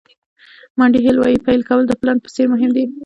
مانډي هیل وایي پیل کول د پلان په څېر مهم دي.